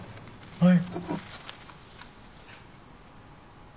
はい。